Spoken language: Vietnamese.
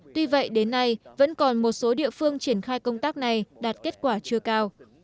tuy vậy đến nay vẫn còn một số địa phương triển khai công tác này đạt kết quả chưa cao